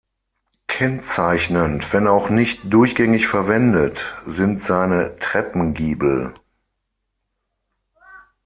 Kennzeichnend, wenn auch nicht durchgängig verwendet sind seine Treppengiebel.